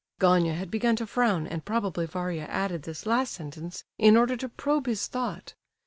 Gania had begun to frown, and probably Varia added this last sentence in order to probe his thought.